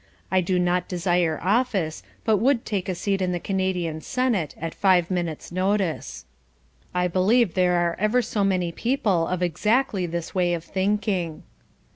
I do not desire office but would take a seat in the Canadian Senate at five minutes notice. I believe there are ever so many people of exactly this way of thinking.